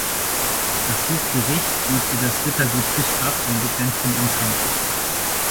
Das Hochgericht übte das Rittergut Fischbach in begrenztem Umfang aus.